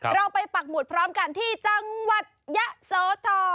เราไปปักหมุดพร้อมกันที่จังหวัดยะโสธร